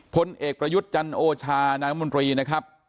พลเอกประยุทธ์จันโอชานายมนตรีนะครับ